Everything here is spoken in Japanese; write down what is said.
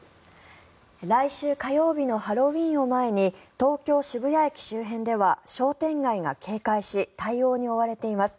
来週火曜日のハロウィーンを前に東京・渋谷駅周辺では商店街が警戒し対応に追われています。